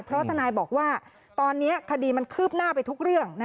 เพราะทนายบอกว่าตอนนี้คดีมันคืบหน้าไปทุกเรื่อง